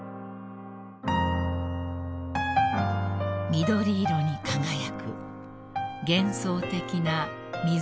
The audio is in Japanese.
［緑色に輝く幻想的な水風景］